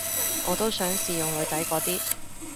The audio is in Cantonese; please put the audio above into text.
我都想試用女仔嗰啲